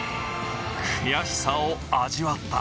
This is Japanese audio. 悔しさを味わった。